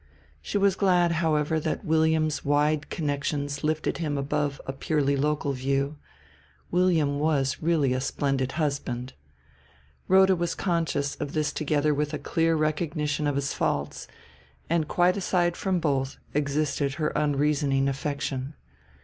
She was glad, however, that William's wide connections lifted him above a purely local view; William was really a splendid husband. Rhoda was conscious of this together with a clear recognition of his faults, and quite aside from both existed her unreasoning affection.